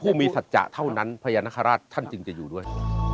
ผู้มีสัจจะเท่านั้นพญานาคาราชท่านจึงจะอยู่ด้วย